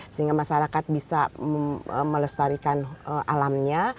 sehingga masyarakat bisa melestarikan alamnya